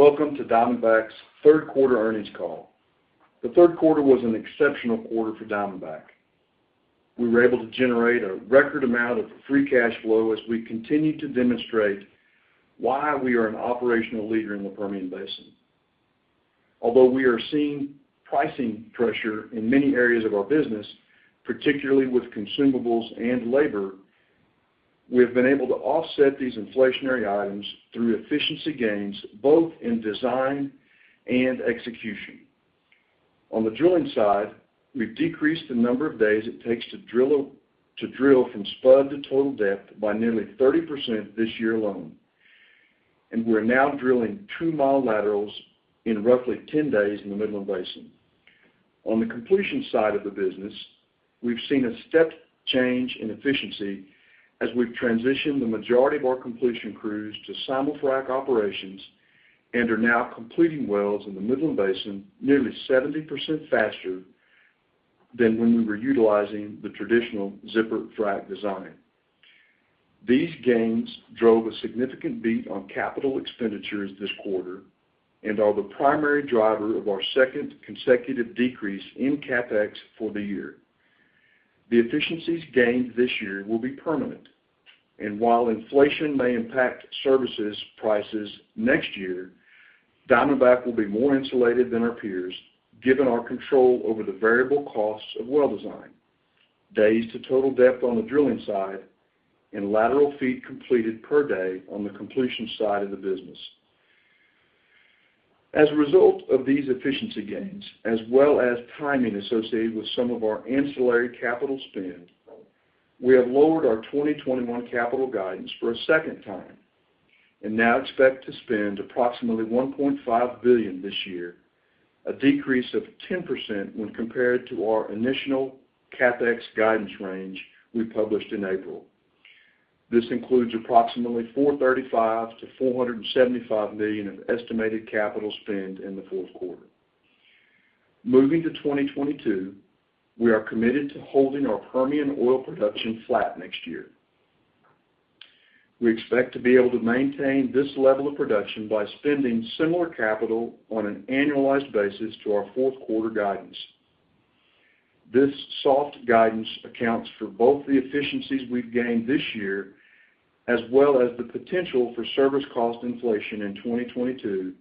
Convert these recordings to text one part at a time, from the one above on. Welcome to Diamondback's Third Quarter Earnings Call. The third quarter was an exceptional quarter for Diamondback. We were able to generate a record amount of free cash flow as we continued to demonstrate why we are an operational leader in the Permian Basin. Although we are seeing pricing pressure in many areas of our business, particularly with consumables and labor, we have been able to offset these inflationary items through efficiency gains, both in design and execution. On the drilling side, we've decreased the number of days it takes to drill, to drill from spud to total depth by nearly 30% this year alone, and we're now drilling 2-mile laterals in roughly 10 days in the Midland Basin. On the completion side of the business, we've seen a step change in efficiency as we've transitioned the majority of our completion crews to simul-frac operations and are now completing wells in the Midland Basin nearly 70% faster than when we were utilizing the traditional zipper frac design. These gains drove a significant beat on capital expenditures this quarter and are the primary driver of our second consecutive decrease in CapEx for the year. The efficiencies gained this year will be permanent, and while inflation may impact services prices next year, Diamondback will be more insulated than our peers, given our control over the variable costs of well design, days to total depth on the drilling side, and lateral feet completed per day on the completion side of the business. As a result of these efficiency gains, as well as timing associated with some of our ancillary capital spend, we have lowered our 2021 capital guidance for a second time and now expect to spend approximately $1.5 billion this year, a decrease of 10% when compared to our initial CapEx guidance range we published in April. This includes approximately $435 million-$475 million of estimated capital spend in the fourth quarter. Moving to 2022, we are committed to holding our Permian oil production flat next year. We expect to be able to maintain this level of production by spending similar capital on an annualized basis to our fourth quarter guidance. This soft guidance accounts for both the efficiencies we've gained this year, as well as the potential for service cost inflation in 2022,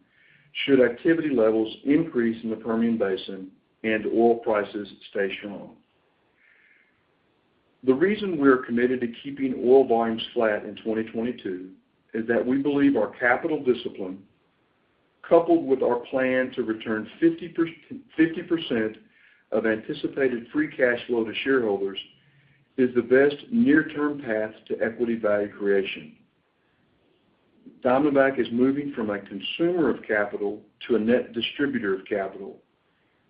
should activity levels increase in the Permian Basin and oil prices stay strong. The reason we are committed to keeping oil volumes flat in 2022 is that we believe our capital discipline, coupled with our plan to return 50% of anticipated free cash flow to shareholders, is the best near-term path to equity value creation. Diamondback is moving from a consumer of capital to a net distributor of capital,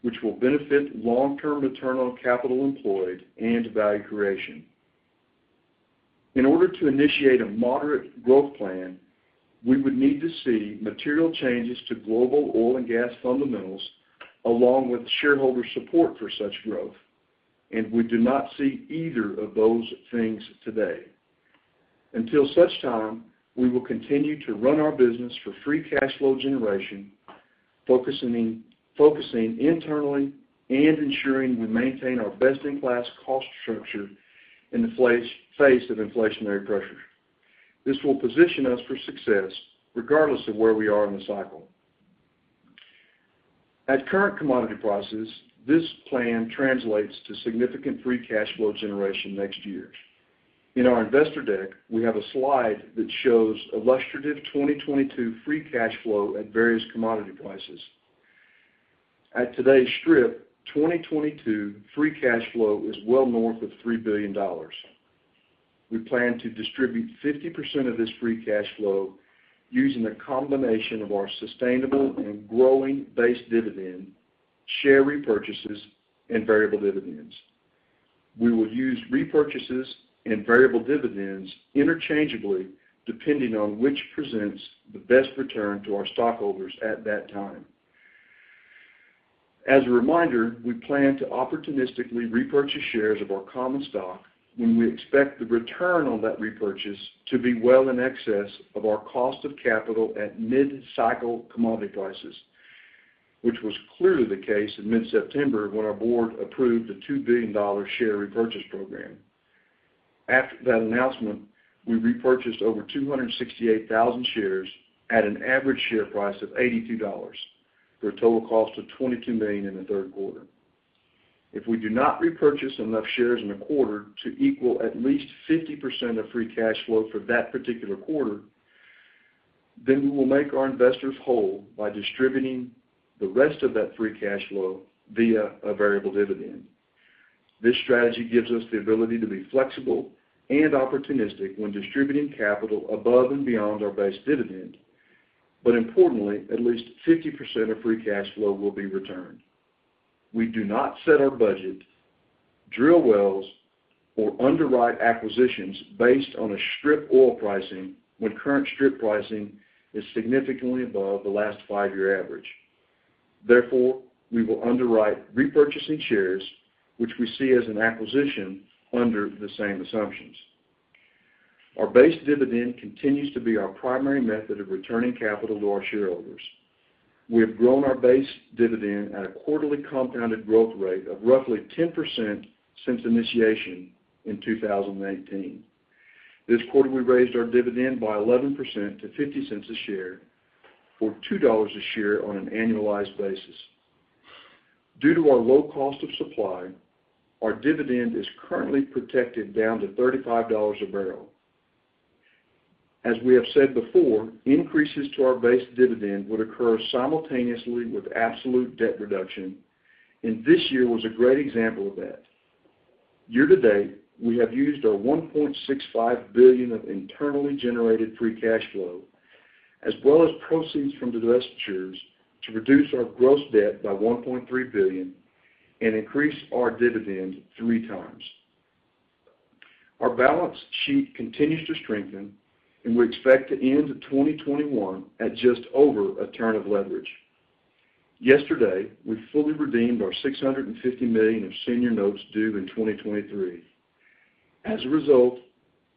which will benefit long-term return on capital employed and value creation. In order to initiate a moderate growth plan, we would need to see material changes to global oil and gas fundamentals, along with shareholder support for such growth, and we do not see either of those things today. Until such time, we will continue to run our business for free cash flow generation, focusing internally and ensuring we maintain our best-in-class cost structure in the face of inflationary pressures. This will position us for success regardless of where we are in the cycle. At current commodity prices, this plan translates to significant free cash flow generation next year. In our investor deck, we have a slide that shows illustrative 2022 free cash flow at various commodity prices. At today's strip, 2022 free cash flow is well north of $3 billion. We plan to distribute 50% of this free cash flow using a combination of our sustainable and growing base dividend, share repurchases, and variable dividends. We will use repurchases and variable dividends interchangeably, depending on which presents the best return to our stockholders at that time. As a reminder, we plan to opportunistically repurchase shares of our common stock when we expect the return on that repurchase to be well in excess of our cost of capital at mid-cycle commodity prices, which was clearly the case in mid-September when our board approved a $2 billion share repurchase program. After that announcement, we repurchased over 268,000 shares at an average share price of $82 for a total cost of $22 million in the third quarter. If we do not repurchase enough shares in a quarter to equal at least 50% of free cash flow for that particular quarter, then we will make our investors whole by distributing the rest of that free cash flow via a variable dividend. This strategy gives us the ability to be flexible and opportunistic when distributing capital above and beyond our base dividend. Importantly, at least 50% of free cash flow will be returned. We do not set our budget, drill wells, or underwrite acquisitions based on a strip oil pricing when current strip pricing is significantly above the last 5-year average. Therefore, we will underwrite repurchasing shares, which we see as an acquisition under the same assumptions. Our base dividend continues to be our primary method of returning capital to our shareholders. We have grown our base dividend at a quarterly compounded growth rate of roughly 10% since initiation in 2018. This quarter, we raised our dividend by 11% to $0.50 a share for $2 a share on an annualized basis. Due to our low cost of supply, our dividend is currently protected down to $35 a barrel. As we have said before, increases to our base dividend would occur simultaneously with absolute debt reduction, and this year was a great example of that. Year to date, we have used our $1.65 billion of internally generated free cash flow, as well as proceeds from divestitures to reduce our gross debt by $1.3 billion and increase our dividend three times. Our balance sheet continues to strengthen, and we expect to end 2021 at just over a turn of leverage. Yesterday, we fully redeemed our $650 million of senior notes due in 2023. As a result,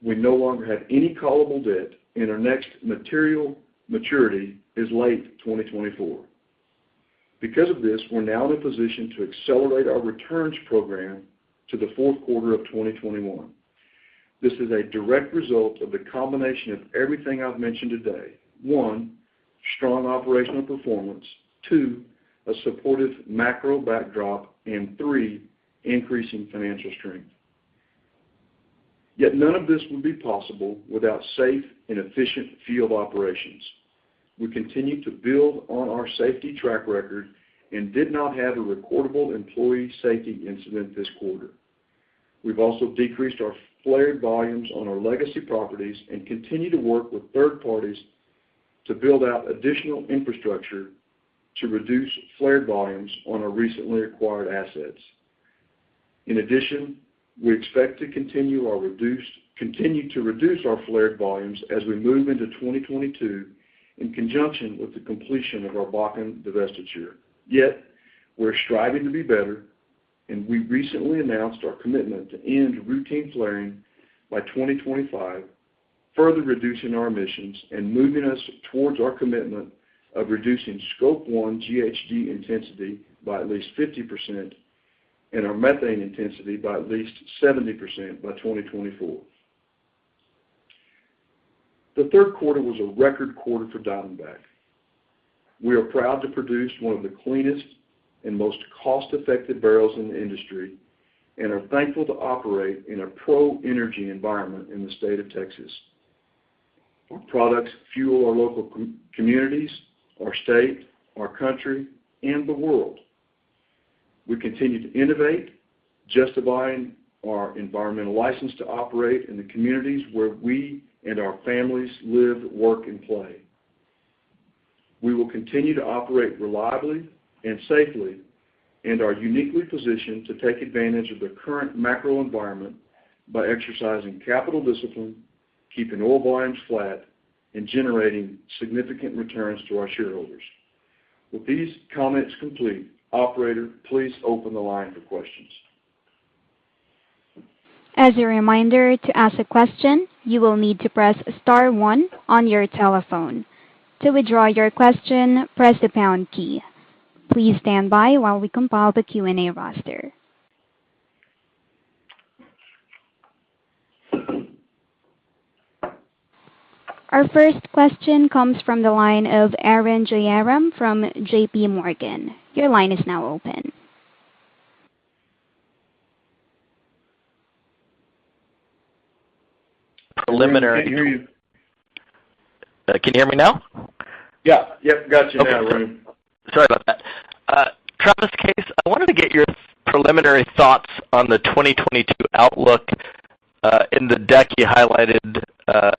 we no longer have any callable debt, and our next material maturity is late 2024. Because of this, we're now in a position to accelerate our returns program to the fourth quarter of 2021. This is a direct result of the combination of everything I've mentioned today. 1, strong operational performance, 2, a supportive macro backdrop, and 3, increasing financial strength. Yet none of this would be possible without safe and efficient field operations. We continue to build on our safety track record and did not have a recordable employee safety incident this quarter. We've also decreased our flared volumes on our legacy properties and continue to work with third parties to build out additional infrastructure to reduce flared volumes on our recently acquired assets. In addition, we expect to continue to reduce our flared volumes as we move into 2022 in conjunction with the completion of our Bakken divestiture. Yet we're striving to be better, and we recently announced our commitment to end routine flaring by 2025, further reducing our emissions and moving us towards our commitment of reducing Scope 1 GHG intensity by at least 50% and our methane intensity by at least 70% by 2024. The third quarter was a record quarter for Diamondback. We are proud to produce one of the cleanest and most cost-effective barrels in the industry and are thankful to operate in a pro-energy environment in the state of Texas. Our products fuel our local communities, our state, our country, and the world. We continue to innovate, justifying our environmental license to operate in the communities where we and our families live, work, and play. We will continue to operate reliably and safely and are uniquely positioned to take advantage of the current macro environment by exercising capital discipline, keeping oil volumes flat, and generating significant returns to our shareholders. With these comments complete, operator, please open the line for questions. As a reminder, to ask a question, you will need to press star one on your telephone. To withdraw your question, press the pound key. Please stand by while we compile the Q&A roster. Our first question comes from the line of Arun Jayaram from JPMorgan. Your line is now open. Preliminary- Can't hear you. Can you hear me now? Yeah. Yep, got you now, Arun. Okay. Sorry about that. Travis and Kaes, I wanted to get your preliminary thoughts on the 2022 outlook. In the deck, you highlighted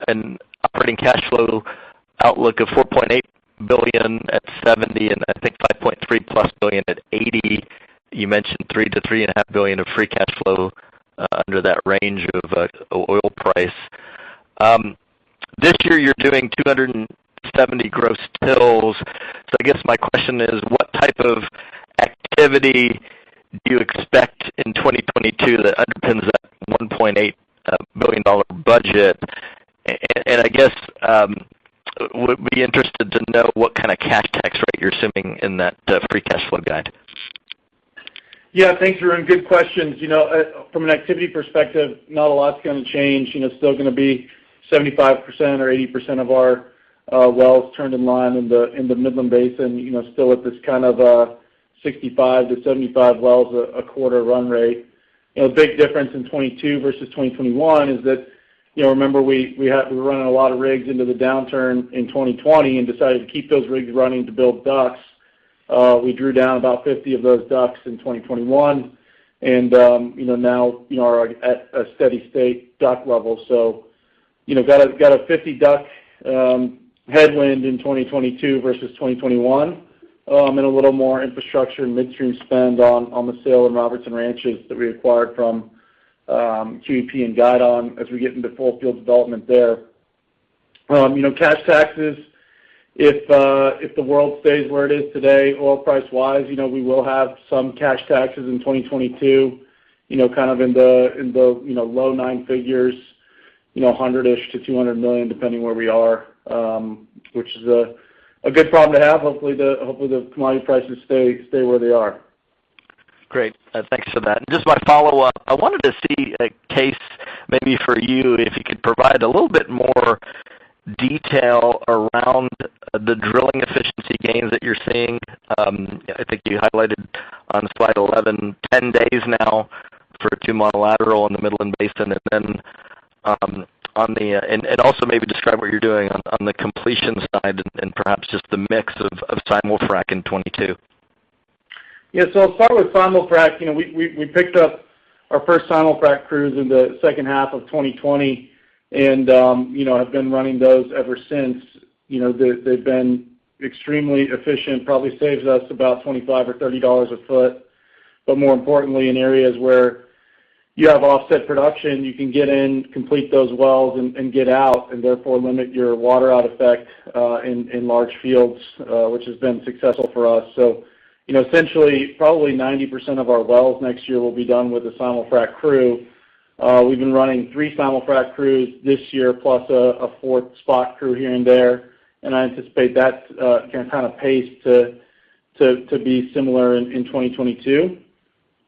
an operating cash flow outlook of $4.8 billion at $70, and I think $5.3+ billion at $80. You mentioned $3 billion-$3.5 billion of free cash flow under that range of oil price. This year, you're doing 270 gross wells. So I guess my question is, what type of activity do you expect in 2022 that underpins that $1.8 billion budget? And I guess I would be interested to know what kind of cash tax rate you're assuming in that free cash flow guide. Yeah. Thanks, Arun. Good questions. You know, from an activity perspective, not a lot's gonna change. You know, still gonna be 75% or 80% of our wells turned in line in the Midland Basin, you know, still at this kind of 65-75 wells a quarter run rate. You know, big difference in 2022 versus 2021 is that, you know, remember we were running a lot of rigs into the downturn in 2020 and decided to keep those rigs running to build DUCs. We drew down about 50 of those DUCs in 2021 and, you know, now are at a steady state DUC level. You know, got a 50 DUC headwind in 2022 versus 2021, and a little more infrastructure and midstream spend on the sale of Robertson Ranch that we acquired from QEP and Guidon Energy as we get into full field development there. You know, cash taxes, if the world stays where it is today oil price-wise, you know, we will have some cash taxes in 2022, you know, kind of in the low nine figures, you know, $100 million-ish to $200 million, depending where we are, which is a good problem to have. Hopefully the commodity prices stay where they are. Great. Thanks for that. Just my follow-up, I wanted to see, Kaes, maybe for you, if you could provide a little bit more detail around the drilling efficiency gains that you're seeing. I think you highlighted on slide 11, 10 days now for a 2-mile lateral in the Midland Basin. Also maybe describe what you're doing on the completion side and perhaps just the mix of simul-frac in 2022. Yeah. I'll start with simul-frac. You know, we picked up our first simul-frac crews in the second half of 2020 and, you know, have been running those ever since. You know, they've been extremely efficient, probably saves us about $25 or $30 a foot. More importantly, in areas where you have offset production, you can get in, complete those wells and get out, and therefore limit your water-out effect in large fields, which has been successful for us. You know, essentially, probably 90% of our wells next year will be done with a simul-frac crew. We've been running 3 simul-frac crews this year, plus a fourth spot crew here and there. I anticipate that kind of pace to be similar in 2022.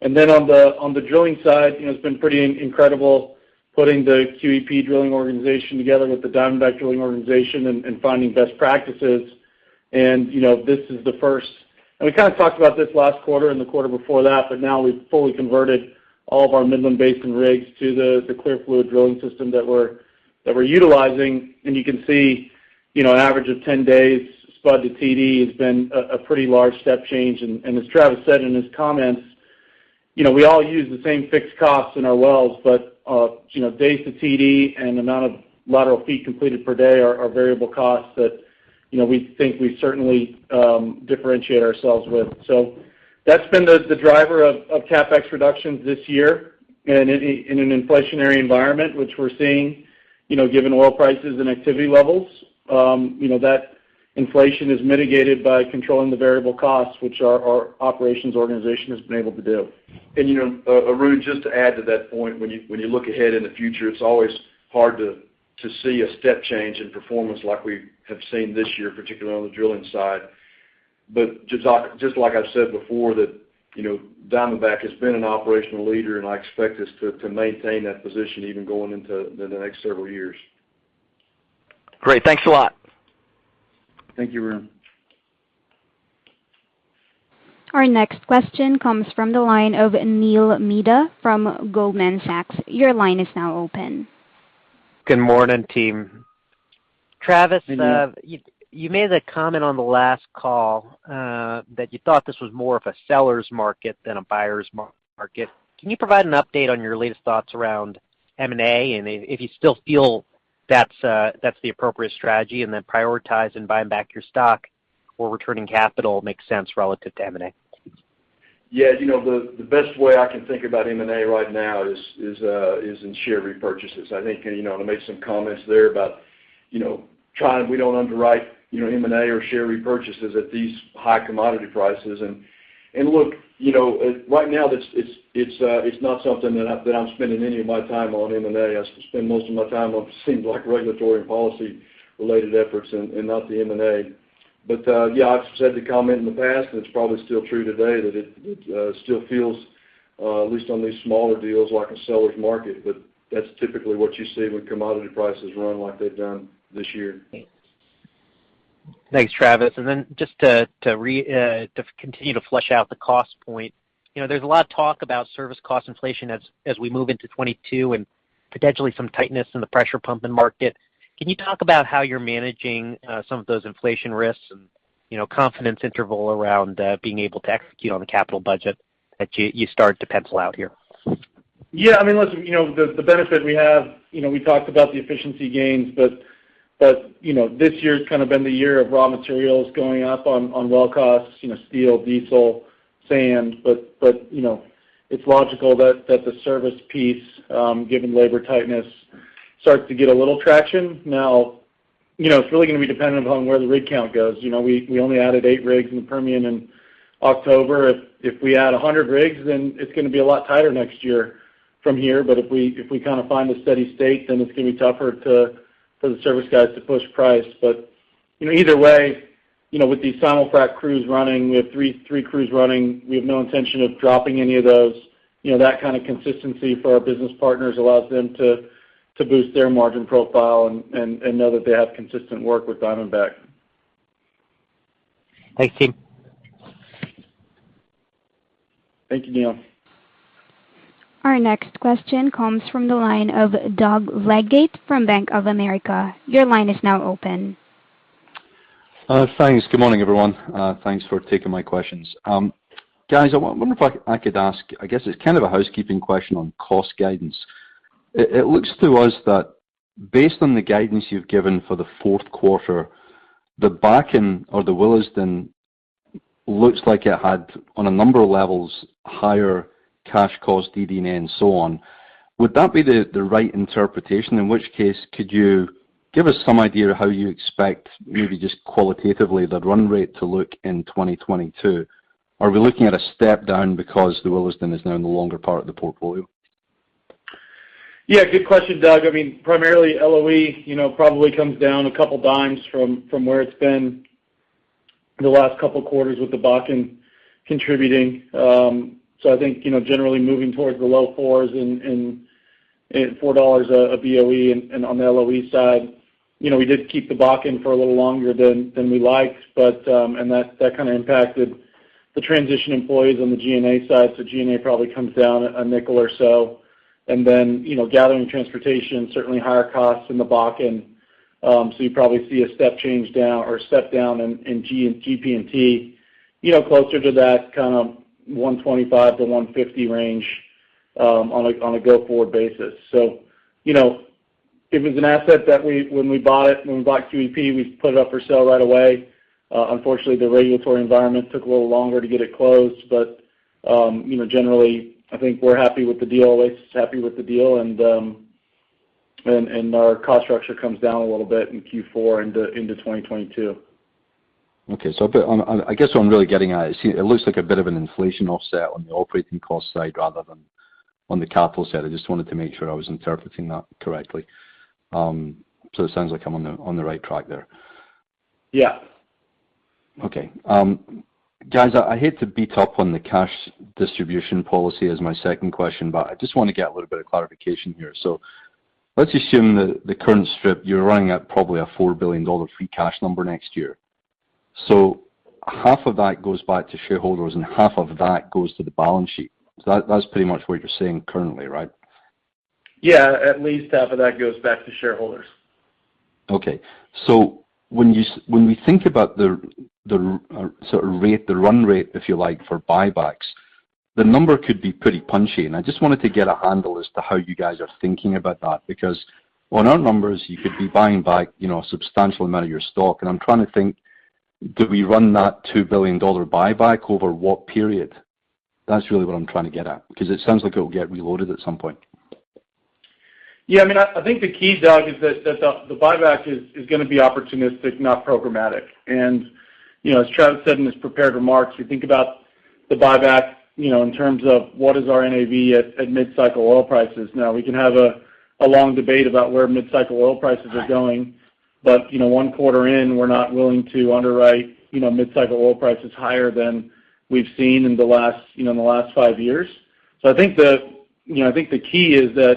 Then on the drilling side, you know, it's been pretty incredible putting the QEP drilling organization together with the Diamondback drilling organization and finding best practices. You know, we kind of talked about this last quarter and the quarter before that, but now we've fully converted all of our Midland Basin rigs to the clear fluid drilling system that we're utilizing. You can see, you know, an average of 10 days spud to TD has been a pretty large step change. As Travis said in his comments, you know, we all use the same fixed costs in our wells, but you know, days to TD and amount of lateral feet completed per day are variable costs that you know, we think we certainly differentiate ourselves with. That's been the driver of CapEx reductions this year. In an inflationary environment, which we're seeing, you know, given oil prices and activity levels, you know, that inflation is mitigated by controlling the variable costs, which our operations organization has been able to do. You know, Arun, just to add to that point, when you look ahead in the future, it's always hard to see a step change in performance like we have seen this year, particularly on the drilling side. Just like I've said before that, you know, Diamondback has been an operational leader, and I expect us to maintain that position even going into the next several years. Great. Thanks a lot. Thank you, Arun. Our next question comes from the line of Neil Mehta from Goldman Sachs. Your line is now open. Good morning, team. Good morning. Travis, you made a comment on the last call that you thought this was more of a seller's market than a buyer's market. Can you provide an update on your latest thoughts around M&A, and if you still feel that's the appropriate strategy, and then prioritize and buying back your stock or returning capital makes sense relative to M&A? Yeah. You know, the best way I can think about M&A right now is in share repurchases. I think, you know, to make some comments there about. We don't underwrite, you know, M&A or share repurchases at these high commodity prices. Look, you know, right now, it's not something that I'm spending any of my time on M&A. I spend most of my time on, seems like, regulatory and policy related efforts and not the M&A. Yeah, I've said the comment in the past, and it's probably still true today, that it still feels, at least on these smaller deals, like a seller's market. That's typically what you see when commodity prices run like they've done this year. Thanks, Travis. Just to continue to flesh out the cost point, you know, there's a lot of talk about service cost inflation as we move into 2022 and potentially some tightness in the pressure pumping market. Can you talk about how you're managing some of those inflation risks and, you know, confidence interval around being able to execute on the capital budget that you started to pencil out here? Yeah. I mean, listen, you know, the benefit we have, you know, we talked about the efficiency gains, but you know, this year's kind of been the year of raw materials going up on well costs, you know, steel, diesel, sand. You know, it's logical that the service piece, given labor tightness starts to get a little traction. Now, you know, it's really gonna be dependent upon where the rig count goes. You know, we only added eight rigs in the Permian in October. If we add 100 rigs, then it's gonna be a lot tighter next year from here. If we kind of find a steady state, then it's gonna be tougher for the service guys to push price. You know, either way, you know, with these simul-frac crews running, we have three crews running. We have no intention of dropping any of those. You know, that kind of consistency for our business partners allows them to boost their margin profile and know that they have consistent work with Diamondback. Thanks, team. Thank you, Neil. Our next question comes from the line of Doug Leggate from Bank of America. Your line is now open. Thanks. Good morning, everyone. Thanks for taking my questions. Guys, I wonder if I could ask. I guess it's kind of a housekeeping question on cost guidance. It looks to us that based on the guidance you've given for the fourth quarter The Bakken or the Williston looks like it had, on a number of levels, higher cash costs, DD&A and so on. Would that be the right interpretation? In which case, could you give us some idea of how you expect maybe just qualitatively the run rate to look in 2022? Are we looking at a step down because the Williston is now in the longer part of the portfolio? Yeah, good question, Doug. I mean, primarily LOE, you know, probably comes down a couple dimes from where it's been the last couple quarters with the Bakken contributing. So I think, you know, generally moving towards the low $4s and $4 per BOE and on the LOE side. You know, we did keep the Bakken for a little longer than we liked, but. That kinda impacted the transition employees on the G&A side. G&A probably comes down a nickel or so. Then, you know, gathering transportation, certainly higher costs in the Bakken. You probably see a step change down or a step down in GP&T, you know, closer to that kind of $1.25-$1.50 range, on a go-forward basis. You know, it was an asset that, when we bought QEP, we put it up for sale right away. Unfortunately, the regulatory environment took a little longer to get it closed, but you know, generally, I think we're happy with the deal. ACE is happy with the deal, and our cost structure comes down a little bit in Q4 into 2022. I guess what I'm really getting at is, you know, it looks like a bit of an inflation offset on the operating cost side rather than on the capital side. I just wanted to make sure I was interpreting that correctly. It sounds like I'm on the right track there. Yeah. Okay. Guys, I hate to beat up on the cash distribution policy as my second question, but I just wanna get a little bit of clarification here. Let's assume that the current strip, you're running at probably a $4 billion free cash number next year. Half of that goes back to shareholders, and half of that goes to the balance sheet. That's pretty much what you're saying currently, right? Yeah. At least half of that goes back to shareholders. Okay. When we think about the sort of rate, the run rate, if you like, for buybacks, the number could be pretty punchy. I just wanted to get a handle as to how you guys are thinking about that. Because on our numbers, you could be buying back, you know, a substantial amount of your stock. I'm trying to think, do we run that $2 billion buyback over what period? That's really what I'm trying to get at, because it sounds like it'll get reloaded at some point. Yeah. I mean, I think the key, Doug, is that the buyback is gonna be opportunistic, not programmatic. You know, as Travis said in his prepared remarks, we think about the buyback, you know, in terms of what is our NAV at mid-cycle oil prices. Now, we can have a long debate about where mid-cycle oil prices are going. You know, one quarter in, we're not willing to underwrite, you know, mid-cycle oil prices higher than we've seen in the last, you know, five years. I think the key is that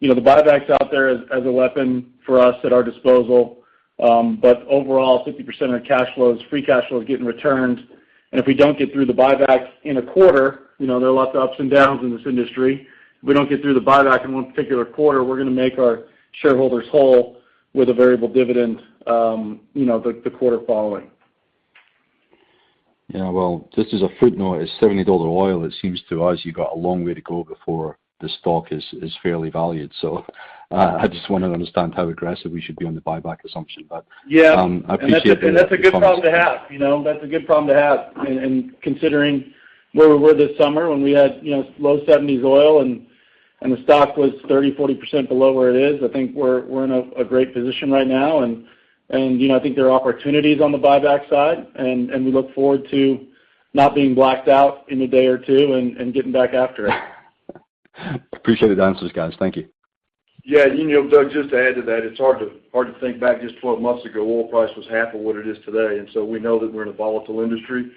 the buyback's out there as a weapon for us at our disposal. Overall, 50% of our free cash flow is getting returned. If we don't get through the buyback in a quarter, you know, there are lots of ups and downs in this industry. If we don't get through the buyback in one particular quarter, we're gonna make our shareholders whole with a variable dividend, you know, the quarter following. Yeah. Well, just as a footnote, at $70 oil, it seems to us you've got a long way to go before the stock is fairly valued. I just wanna understand how aggressive we should be on the buyback assumption. Yeah. I appreciate the comments. That's a good problem to have, you know. That's a good problem to have. Considering where we were this summer when we had, you know, low-$70s oil and the stock was 30%-40% below where it is, I think we're in a great position right now. You know, I think there are opportunities on the buyback side, and we look forward to not being blacked out in a day or two and getting back after it. Appreciate the answers, guys. Thank you. Yeah. You know, Doug, just to add to that, it's hard to think back just 12 months ago, oil price was half of what it is today. We know that we're in a volatile industry.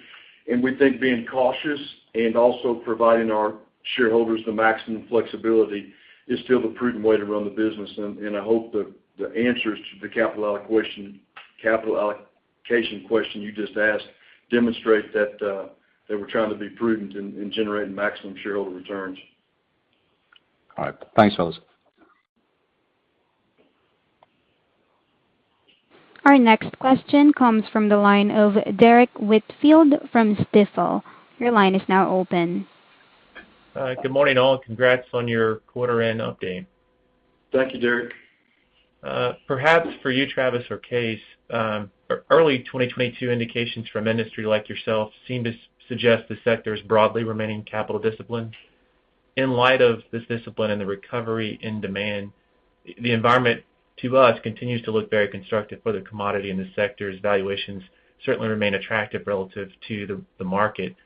We think being cautious and also providing our shareholders the maximum flexibility is still the prudent way to run the business. I hope the answers to the capital allocation question you just asked demonstrate that we're trying to be prudent in generating maximum shareholder returns. All right. Thanks, fellas. Our next question comes from the line of Derrick Whitfield from Stifel. Your line is now open. Good morning, all. Congrats on your quarter and update. Thank you, Derrick. Perhaps for you, Travis or Kaes, early 2022 indications from industry like yourself seem to suggest the sector is broadly remaining capital disciplined. In light of this discipline and the recovery in demand, the environment to us continues to look very constructive for the commodity and the sector's valuations certainly remain attractive relative to the market.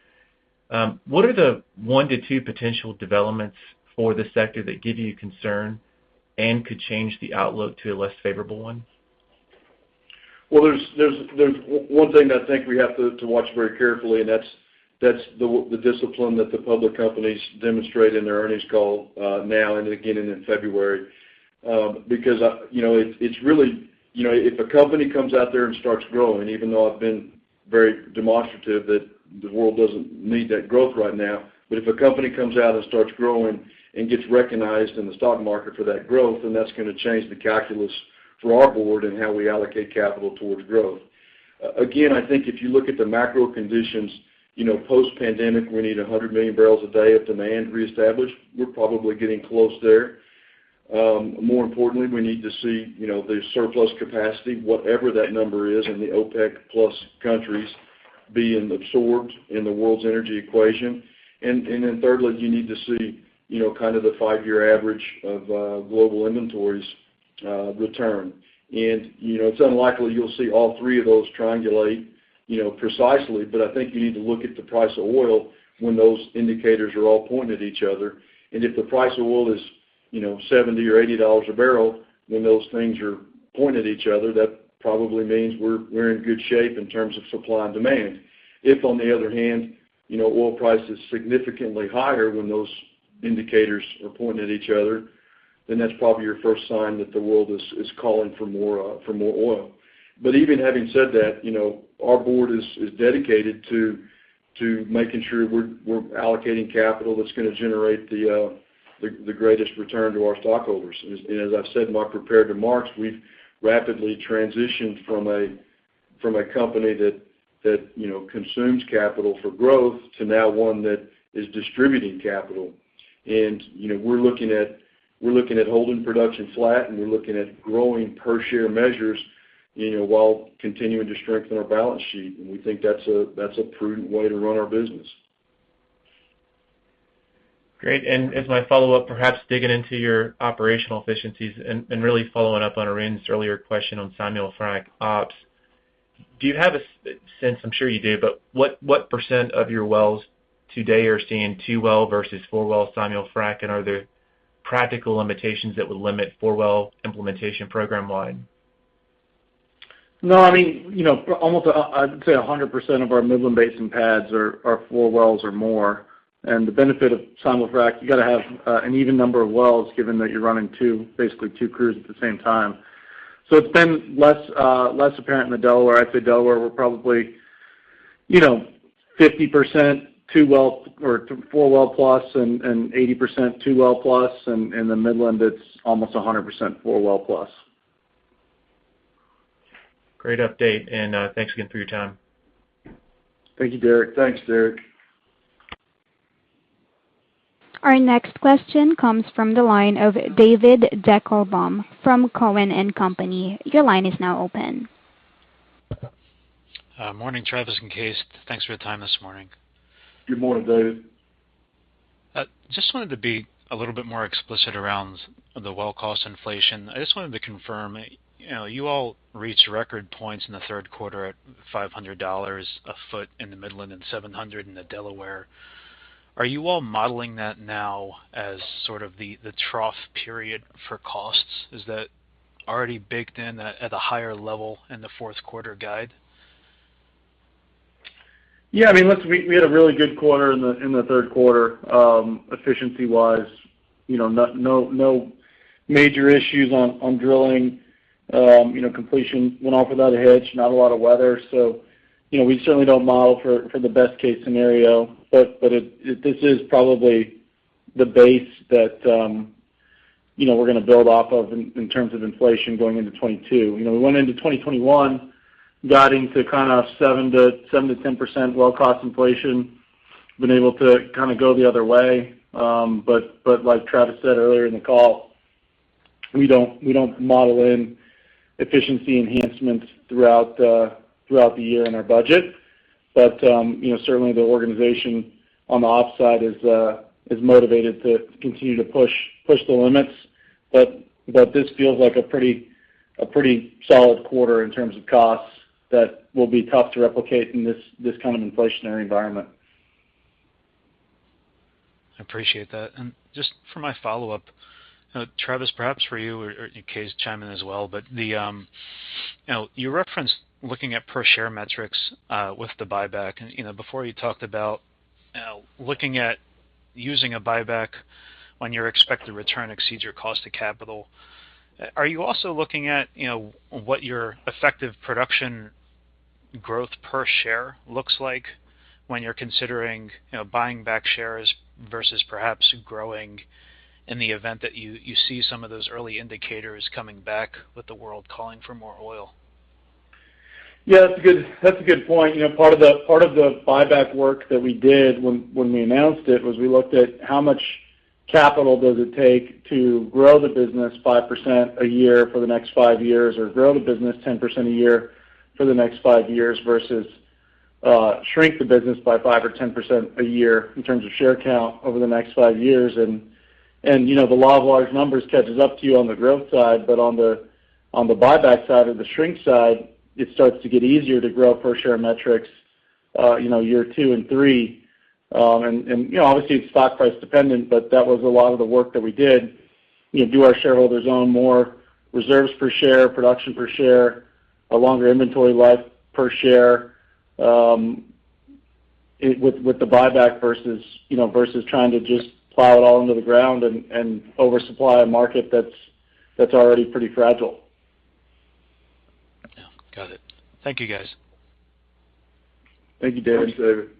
What are the 1-2 potential developments for this sector that give you concern and could change the outlook to a less favorable one? There's one thing that I think we have to watch very carefully, and that's the discipline that the public companies demonstrate in their earnings call now and again in February. Because, you know, it's really, you know, if a company comes out there and starts growing, even though I've been very demonstrative that the world doesn't need that growth right now. If a company comes out and starts growing and gets recognized in the stock market for that growth, then that's gonna change the calculus for our board and how we allocate capital towards growth. Again, I think if you look at the macro conditions, you know, post-pandemic, we need 100 million barrels a day of demand reestablished. We're probably getting close there. More importantly, we need to see, you know, the surplus capacity, whatever that number is in the OPEC+ countries being absorbed in the world's energy equation. Then thirdly, you need to see, you know, kind of the five-year average of global inventories return. You know, it's unlikely you'll see all three of those triangulate, you know, precisely, but I think you need to look at the price of oil when those indicators are all pointed at each other. If the price of oil is, you know, $70 or $80 a barrel, when those things are pointed at each other, that probably means we're in good shape in terms of supply and demand. If on the other hand, you know, oil price is significantly higher when those indicators are pointing at each other, then that's probably your first sign that the world is calling for more oil. Even having said that, you know, our board is dedicated to making sure we're allocating capital that's gonna generate the greatest return to our stockholders. As I've said in my prepared remarks, we've rapidly transitioned from a company that you know, consumes capital for growth to now one that is distributing capital. You know, we're looking at holding production flat, and we're looking at growing per share measures, you know, while continuing to strengthen our balance sheet. We think that's a prudent way to run our business. Great. As my follow-up, perhaps digging into your operational efficiencies and really following up on Arun Jayaram's earlier question on simul-frac ops. Do you have a sense, I'm sure you do, but what % of your wells today are seeing two-well versus four-well simul-frac? And are there practical limitations that would limit four-well implementation program-wide? No, I mean, you know, almost, I'd say 100% of our Midland Basin pads are 4 wells or more. The benefit of simul-frac, you gotta have an even number of wells given that you're running two, basically two crews at the same time. It's been less apparent in the Delaware. I'd say Delaware we're probably, you know, 50% 2-well or 4-well plus, and 80% 2-well plus. In the Midland, it's almost 100% 4-well plus. Great update, and thanks again for your time. Thank you, Derrick. Thanks, Derrick. Our next question comes from the line of David Deckelbaum from Cowen and Company. Your line is now open. Morning, Travis and Kaes. Thanks for your time this morning. Good morning, David. Just wanted to be a little bit more explicit around the well cost inflation. I just wanted to confirm, you know, you all reached record points in the third quarter at $500 a foot in the Midland and $700 in the Delaware. Are you all modeling that now as sort of the trough period for costs? Is that already baked in at a higher level in the fourth quarter guide? Yeah. I mean, look, we had a really good quarter in the third quarter, efficiency-wise. You know, no major issues on drilling. You know, completion went off without a hitch, not a lot of weather. You know, we certainly don't model for the best case scenario, but this is probably the base that, you know, we're gonna build off of in terms of inflation going into 2022. You know, we went into 2021, got into kind of 7%-10% well cost inflation, been able to kinda go the other way. But like Travis said earlier in the call, we don't model in efficiency enhancements throughout the year in our budget. You know, certainly the organization on the ops side is motivated to continue to push the limits. This feels like a pretty solid quarter in terms of costs that will be tough to replicate in this kind of inflationary environment. I appreciate that. Just for my follow-up, Travis, perhaps for you or and Kaes chime in as well. You know, you referenced looking at per share metrics with the buyback. You know, before you talked about looking at using a buyback when your expected return exceeds your cost of capital. Are you also looking at, you know, what your effective production growth per share looks like when you're considering, you know, buying back shares versus perhaps growing in the event that you see some of those early indicators coming back with the world calling for more oil? Yeah, that's a good point. You know, part of the buyback work that we did when we announced it was we looked at how much capital does it take to grow the business 5% a year for the next five years or grow the business 10% a year for the next five years versus shrink the business by 5% or 10% a year in terms of share count over the next five years. You know, the law of large numbers catches up to you on the growth side, but on the buyback side or the shrink side, it starts to get easier to grow per share metrics, you know, year two and three. You know, obviously it's stock price dependent, but that was a lot of the work that we did. You know, do our shareholders own more reserves per share, production per share, a longer inventory life per share, with the buyback versus, you know, versus trying to just plow it all into the ground and oversupply a market that's already pretty fragile? Yeah. Got it. Thank you, guys. Thank you, David. Thanks, David.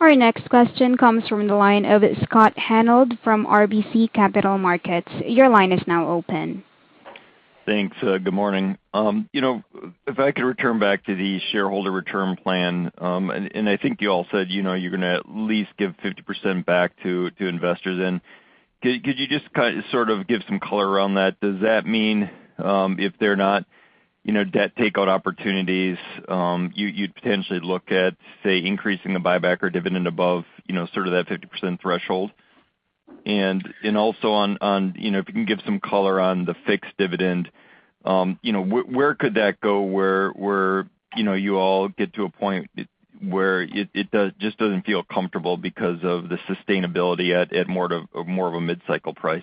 Our next question comes from the line of Scott Hanold from RBC Capital Markets. Your line is now open. Thanks. Good morning. You know, if I could return back to the shareholder return plan, and I think you all said, you know, you're gonna at least give 50% back to investors. Could you just sort of give some color around that? Does that mean, if they're not, you know, debt takeout opportunities, you you'd potentially look at, say, increasing the buyback or dividend above, you know, sort of that 50% threshold? Also on, you know, if you can give some color on the fixed dividend, you know, where could that go where you all get to a point where it just doesn't feel comfortable because of the sustainability at more of a mid-cycle price?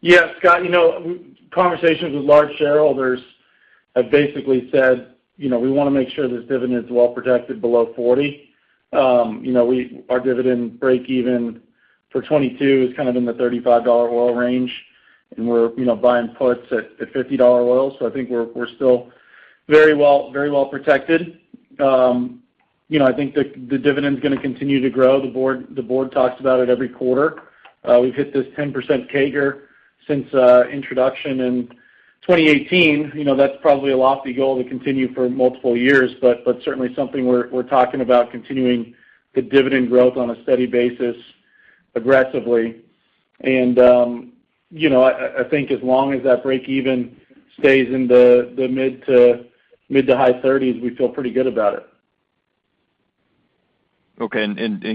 Yeah. Scott, you know, conversations with large shareholders have basically said, you know, we wanna make sure this dividend's well protected below $40. Our dividend break even for 2022 is kind of in the $35 oil range, and we're, you know, buying puts at $50 oil. I think we're still very well protected. You know, I think the dividend's gonna continue to grow. The board talks about it every quarter. We've hit this 10% CAGR since introduction in 2018. You know, that's probably a lofty goal to continue for multiple years, but certainly something we're talking about continuing the dividend growth on a steady basis aggressively. You know, I think as long as that breakeven stays in the mid- to high $30s, we feel pretty good about it. Okay.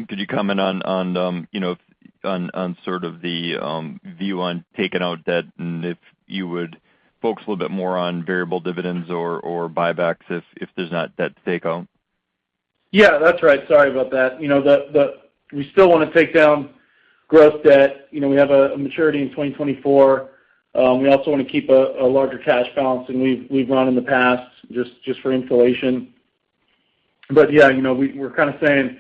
Could you comment on, you know, on sort of the view on taking out debt, and if you would focus a little bit more on variable dividends or buybacks if there's not debt to take out? Yeah, that's right. Sorry about that. You know, we still wanna take down gross debt. You know, we have a maturity in 2024. We also wanna keep a larger cash balance than we've run in the past just for insulation. Yeah, you know, we're kind of saying,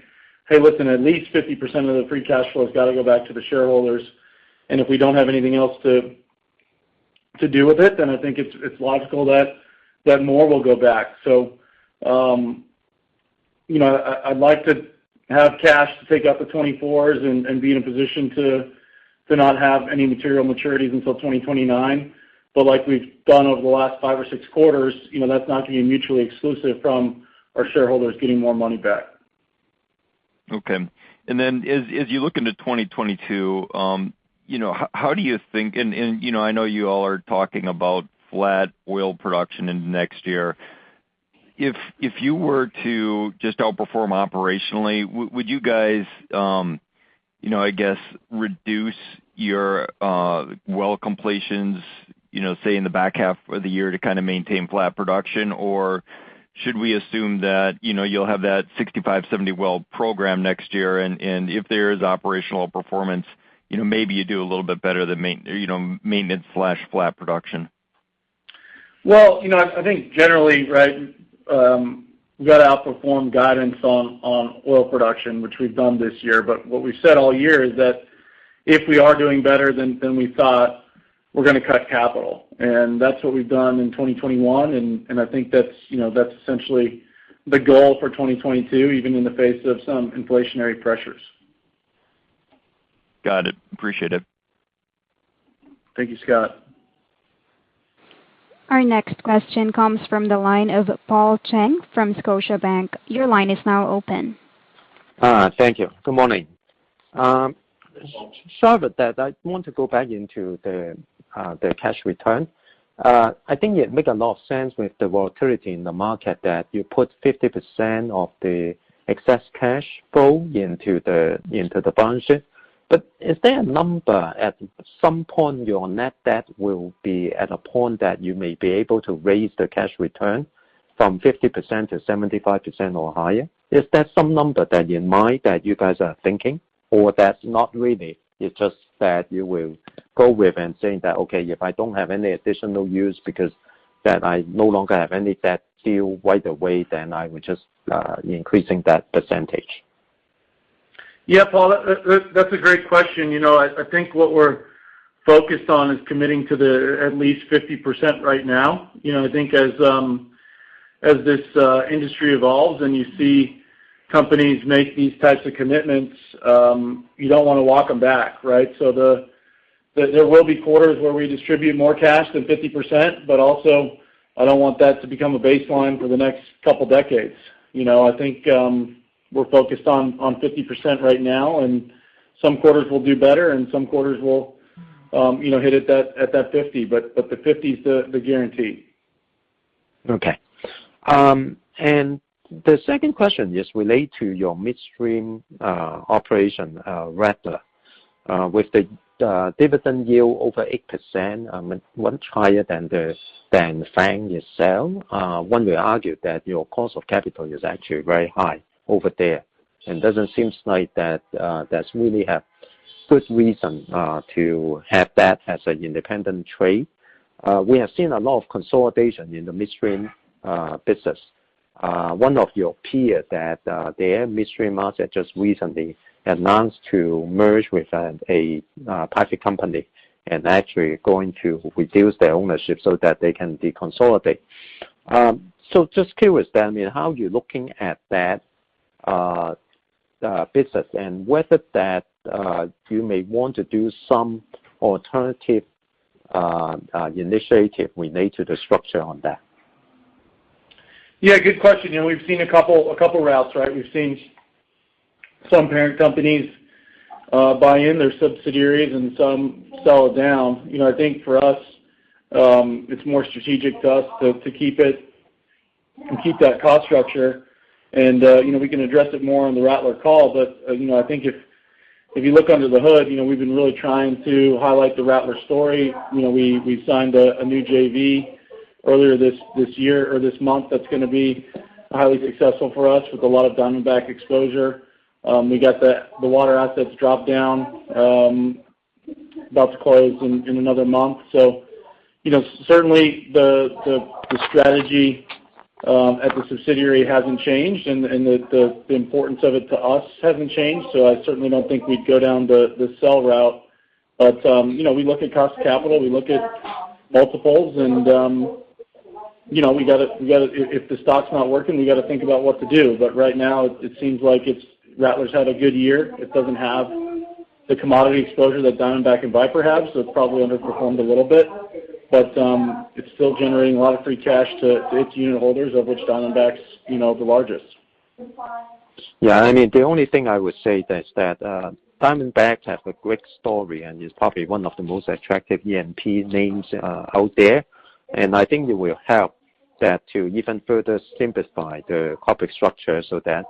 "Hey, listen, at least 50% of the free cash flow has got to go back to the shareholders, and if we don't have anything else to do with it, then I think it's logical that more will go back." You know, I'd like to have cash to take out the 2024s and be in a position to not have any material maturities until 2029. Like we've done over the last five or six quarters, you know, that's not gonna be mutually exclusive from our shareholders getting more money back. Okay. As you look into 2022, you know, how do you think. You know, I know you all are talking about flat oil production in the next year. If you were to just outperform operationally, would you guys, you know, I guess, reduce your well completions, you know, say in the back half of the year to kind of maintain flat production? Or should we assume that, you know, you'll have that 65-70 well program next year and if there is operational performance, you know, maybe you do a little bit better than maintenance/flat production? Well, you know, I think generally, right, we got to outperform guidance on oil production, which we've done this year. What we've said all year is that if we are doing better than we thought, we're gonna cut capital. That's what we've done in 2021, and I think that's essentially the goal for 2022, even in the face of some inflationary pressures. Got it. Appreciate it. Thank you, Scott. Our next question comes from the line of Paul Cheng from Scotiabank. Your line is now open. Thank you. Good morning. Start with that, I want to go back into the cash return. I think it make a lot of sense with the volatility in the market that you put 50% of the excess cash flow into the buyback. Is there a number at some point your net debt will be at a point that you may be able to raise the cash return from 50% to 75% or higher? Is there some number that you have in mind that you guys are thinking? Or that's not really, it's just that you will go with and saying that, "Okay, if I don't have any additional use because I no longer have any debt to deal right away, then I would just increasing that percentage. Yeah. Paul, that's a great question. You know, I think what we're focused on is committing to at least 50% right now. You know, I think as this industry evolves and you see companies make these types of commitments, you don't wanna walk them back, right? There will be quarters where we distribute more cash than 50%, but also I don't want that to become a baseline for the next couple decades. You know, I think we're focused on 50% right now, and some quarters will do better and some quarters will hit at that 50%, but the 50% is the guarantee. Okay. The second question relates to your midstream operation, Rattler. With the dividend yield over 8%, much higher than Fang itself, one will argue that your cost of capital is actually very high over there, and doesn't seem like that's really a good reason to have that as an independent trade. We have seen a lot of consolidation in the midstream business. One of your peers that their midstream MLP just recently announced to merge with a private company and actually going to reduce their ownership so that they can deconsolidate. Just curious then, I mean, how are you looking at that business and whether that you may want to do some alternative initiative related to structure on that. Yeah, good question. You know, we've seen a couple routes, right? We've seen some parent companies buy in their subsidiaries and some sell it down. You know, I think for us, it's more strategic to us to keep it, to keep that cost structure. You know, we can address it more on the Rattler call. You know, I think if you look under the hood, you know, we've been really trying to highlight the Rattler story. You know, we signed a new JV earlier this year or this month that's gonna be highly successful for us with a lot of Diamondback exposure. We got the water assets drop down, about to close in another month. You know, certainly the strategy at the subsidiary hasn't changed and the importance of it to us hasn't changed, so I certainly don't think we'd go down the sell route. But you know, we look at cost of capital, we look at multiples, and you know, we gotta, if the stock's not working, we gotta think about what to do. But right now it seems like it's Rattler's had a good year. It doesn't have the commodity exposure that Diamondback and Viper have, so it's probably underperformed a little bit. But it's still generating a lot of free cash to its unitholders of which Diamondback's you know, the largest. Yeah. I mean, the only thing I would say is that Diamondback has a great story and is probably one of the most attractive E&P names out there. I think it will help that to even further simplify the corporate structure so that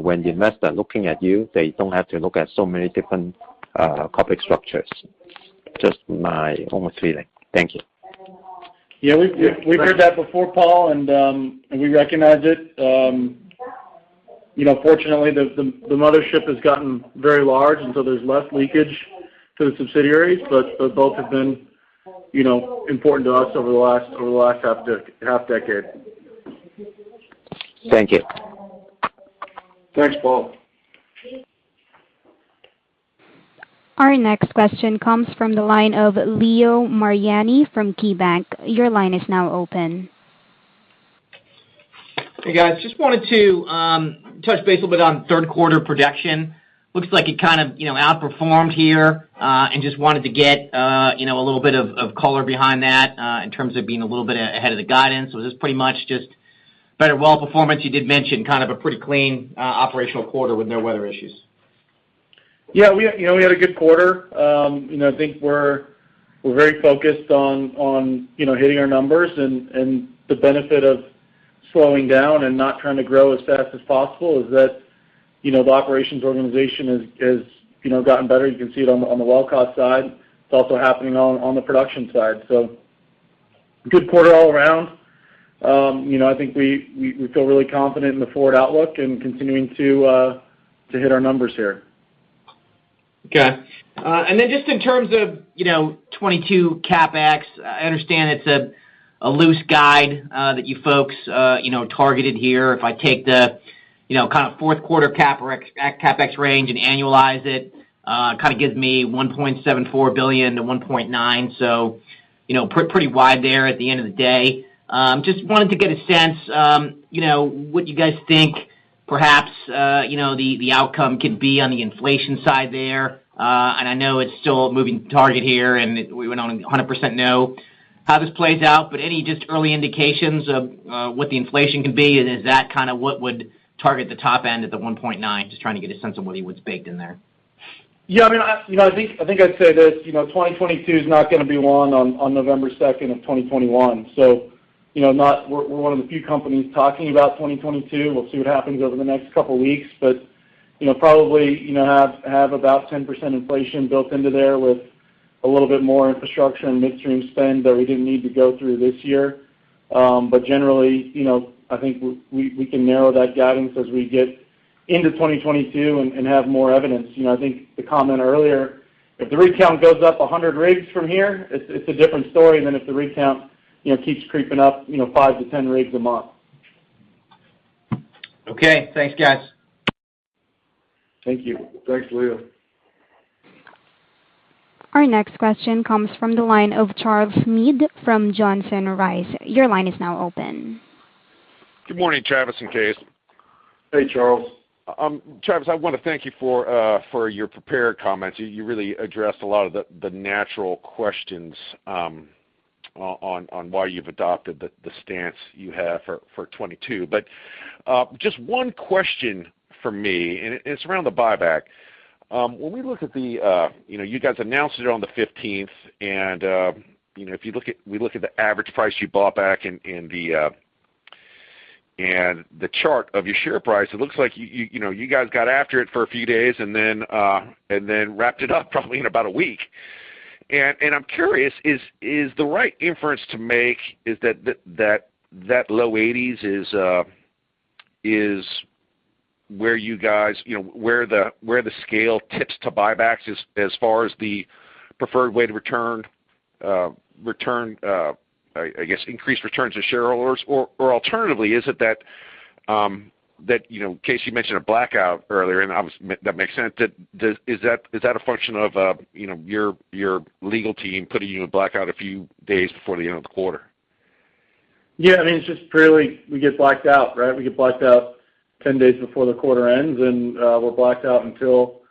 when the investor looking at you, they don't have to look at so many different corporate structures. Just my own feeling. Thank you. Yeah. We've heard that before, Paul, and we recognize it. You know, fortunately, the mothership has gotten very large, and so there's less leakage to the subsidiaries. But both have been, you know, important to us over the last half decade. Thank you. Thanks, Paul. Our next question comes from the line of Leo Mariani from KeyBanc. Your line is now open. Hey, guys. Just wanted to touch base a little bit on third quarter projection. Looks like it kind of, you know, outperformed here, and just wanted to get, you know, a little bit of color behind that, in terms of being a little bit ahead of the guidance. Was this pretty much just better well performance? You did mention kind of a pretty clean operational quarter with no weather issues. Yeah. We, you know, had a good quarter. You know, I think we're very focused on, you know, hitting our numbers. The benefit of slowing down and not trying to grow as fast as possible is that, you know, the operations organization has, you know, gotten better. You can see it on the well cost side. It's also happening on the production side. Good quarter all around. You know, I think we feel really confident in the forward outlook and continuing to hit our numbers here. Okay. Just in terms of, you know, 2022 CapEx, I understand it's a loose guide that you folks, you know, targeted here. If I take the, you know, kind of fourth quarter CapEx range and annualize it, kind of gives me $1.74 billion-$1.9 billion. You know, pretty wide there at the end of the day. Just wanted to get a sense, you know, what you guys think perhaps, you know, the outcome could be on the inflation side there. I know it's still a moving target here, and we don't 100% know how this plays out, but any just early indications of what the inflation could be, and is that kind of what would target the top end at the $1.9 billion? Just trying to get a sense of what's baked in there. Yeah. I mean, you know, I think I'd say this, you know, 2022 is not gonna be won on November 2nd of 2021. We're one of the few companies talking about 2022. We'll see what happens over the next couple weeks. Probably, you know, have about 10% inflation built into there with a little bit more infrastructure and midstream spend that we didn't need to go through this year. Generally, you know, I think we can narrow that guidance as we get into 2022 and have more evidence. You know, I think the comment earlier, if the rig count goes up 100 rigs from here, it's a different story than if the rig count keeps creeping up 5-10 rigs a month. Okay. Thanks, guys. Thank you. Thanks, Leo. Our next question comes from the line of Charles Meade from Johnson Rice. Your line is now open. Good morning, Travis and Kaes. Hey, Charles. Travis, I wanna thank you for your prepared comments. You really addressed a lot of the natural questions on why you've adopted the stance you have for 2022. Just one question from me, and it's around the buyback. When we look at, you know, you guys announced it on the 15th, and you know, we look at the average price you bought back in and the chart of your share price, it looks like you know, you guys got after it for a few days and then wrapped it up probably in about a week. I'm curious, is the right inference to make is that low 80s is where you guys, you know, where the scale tips to buybacks as far as the preferred way to return, I guess, increased returns to shareholders? Or alternatively, is it that, you know, Kaes you mentioned a blackout earlier, and obviously that makes sense. Is that a function of, you know, your legal team putting you in blackout a few days before the end of the quarter? Yeah, I mean, it's just purely we get blacked out, right? We get blacked out 10 days before the quarter ends, and we're blacked out until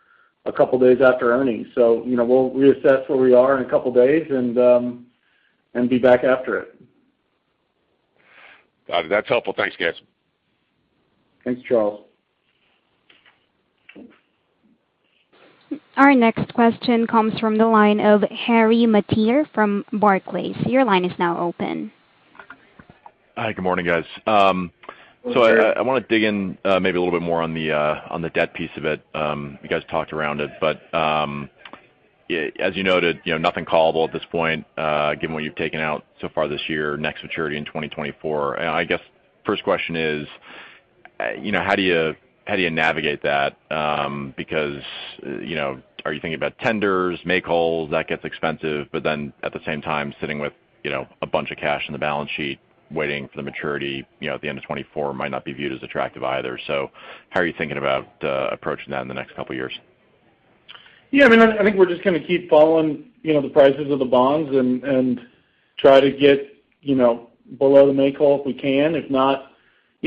a couple days after earnings. So, you know, we'll reassess where we are in a couple days and be back after it. Got it. That's helpful. Thanks, guys. Thanks, Charles. Our next question comes from the line of Harry Mateer from Barclays. Your line is now open. Hi. Good morning, guys. So I wanna dig in, maybe a little bit more on the debt piece of it. You guys talked around it, but yeah, as you noted, you know, nothing callable at this point, given what you've taken out so far this year, next maturity in 2024. I guess first question is, you know, how do you navigate that? Because, you know, are you thinking about tenders, make whole? That gets expensive, but then at the same time, sitting with, you know, a bunch of cash in the balance sheet waiting for the maturity, you know, at the end of 2024 might not be viewed as attractive either. How are you thinking about approaching that in the next couple years? Yeah. I mean, I think we're just gonna keep following, you know, the prices of the bonds and try to get, you know, below the make whole if we can. If not,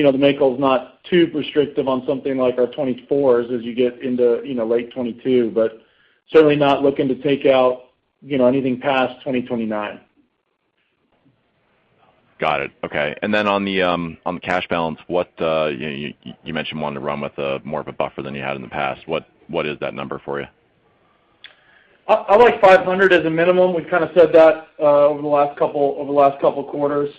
you know, the make whole's not too restrictive on something like our 2024s as you get into, you know, late 2022, but certainly not looking to take out, you know, anything past 2029. Got it. Okay. On the cash balance, you mentioned wanting to run with more of a buffer than you had in the past. What is that number for you? I like 500 as a minimum. We've kind of said that over the last couple quarters.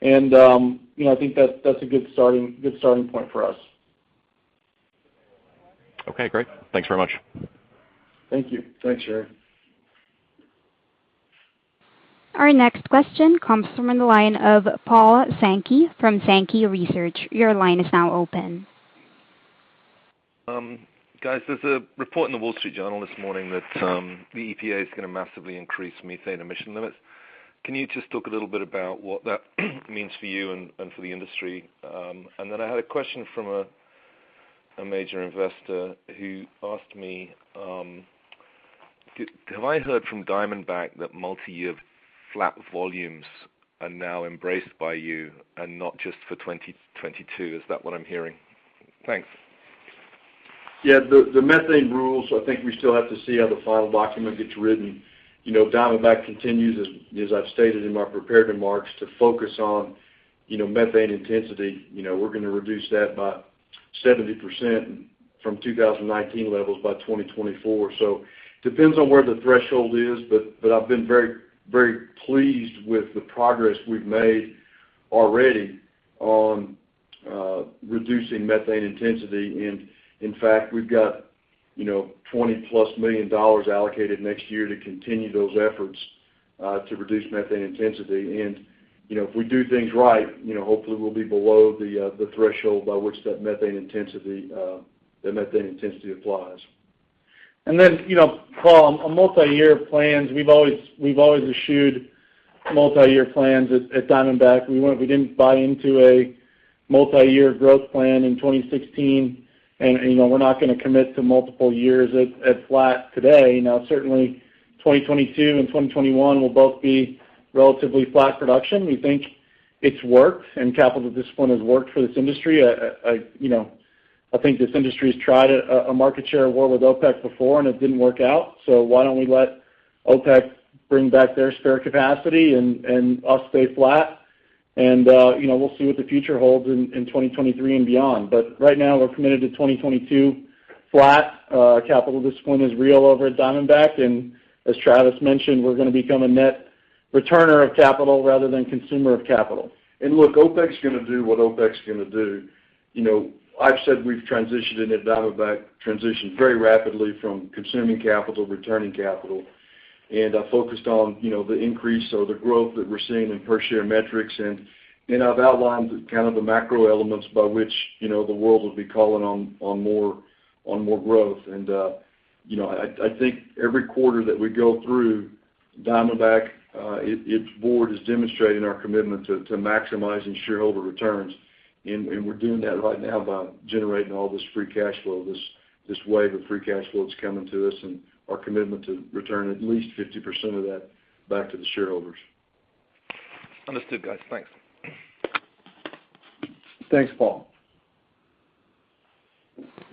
You know, I think that's a good starting point for us. Okay, great. Thanks very much. Thank you. Thanks, Harry. Our next question comes from the line of Paul Sankey from Sankey Research. Your line is now open. Guys, there's a report in the Wall Street Journal this morning that the EPA is gonna massively increase methane emission limits. Can you just talk a little bit about what that means for you and for the industry? Then I had a question from a major investor who asked me, have I heard from Diamondback that multi-year flat volumes are now embraced by you and not just for 2022? Is that what I'm hearing? Thanks. Yeah. The methane rules, I think we still have to see how the final document gets written. You know, Diamondback continues, as I've stated in my prepared remarks, to focus on, you know, methane intensity. You know, we're gonna reduce that by 70% from 2019 levels by 2024. Depends on where the threshold is, but I've been very pleased with the progress we've made already on reducing methane intensity. In fact, we've got, you know, $20+ million allocated next year to continue those efforts to reduce methane intensity. You know, if we do things right, you know, hopefully we'll be below the threshold by which that methane intensity applies. You know, Paul, on multi-year plans, we've always eschewed multi-year plans at Diamondback. We didn't buy into a multi-year growth plan in 2016, and, you know, we're not gonna commit to multiple years at flat today. Now, certainly 2022 and 2021 will both be relatively flat production. We think it's worked and capital discipline has worked for this industry. You know, I think this industry has tried a market share war with OPEC before, and it didn't work out, so why don't we let OPEC bring back their spare capacity and us stay flat. You know, we'll see what the future holds in 2023 and beyond. Right now, we're committed to 2022 flat. Capital discipline is real over at Diamondback, and as Travis mentioned, we're gonna become a net returner of capital rather than consumer of capital. Look, OPEC's gonna do what OPEC's gonna do. You know, I've said we've transitioned and that Diamondback transitioned very rapidly from consuming capital, returning capital. I focused on, you know, the increase or the growth that we're seeing in per share metrics. You know, I've outlined kind of the macro elements by which, you know, the world will be calling on more growth. You know, I think every quarter that we go through, Diamondback, its board is demonstrating our commitment to maximizing shareholder returns. We're doing that right now by generating all this free cash flow, this wave of free cash flow that's coming to us and our commitment to return at least 50% of that back to the shareholders. Understood, guys. Thanks. Thanks, Paul.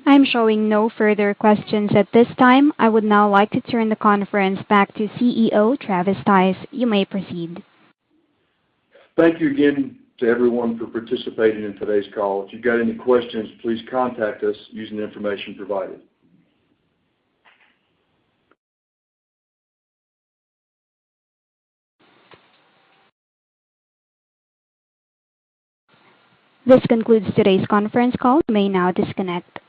I'm showing no further questions at this time. I would now like to turn the conference back to CEO Travis Stice. You may proceed. Thank you again to everyone for participating in today's call. If you've got any questions, please contact us using the information provided. This concludes today's conference call. You may now disconnect.